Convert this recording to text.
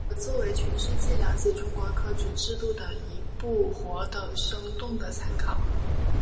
可作为全世界了解中国科举制度的一部活的生动的参考。